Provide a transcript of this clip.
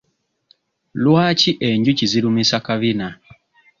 Lwaki enjuki zirumisa kabina?